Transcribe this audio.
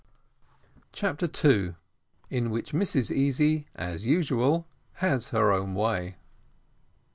CHAPTER TWO. IN WHICH MRS. EASY, AS USUAL, HAS HER OWN WAY.